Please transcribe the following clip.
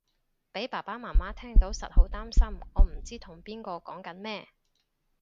俾爸爸媽媽聽到實好擔心我唔知同邊個講緊乜